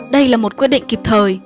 đây là một quyết định kịp thời